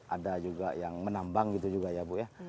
ada juga yang menambang gitu juga ya bu ya